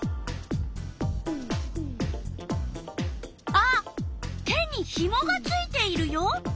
あっ手にひもがついているよ。